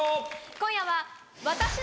今夜は。